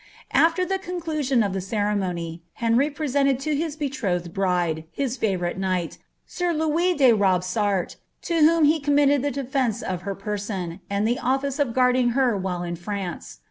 * After the conclusion of the ceremony, Henry presented to his betrothed bride his favouiits knight, sir Louis de Robsart,' to whom he committed the defence nf her person, and the ofEce of guarding her while in Frnnce.